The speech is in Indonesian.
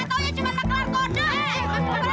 sosokan bikin amper temen